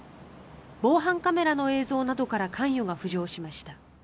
防犯カメラの映像などから関与が浮上しました。